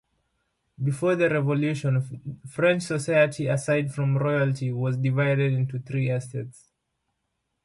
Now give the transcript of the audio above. Before the Revolution, French society-aside from royalty-was divided into three Estates.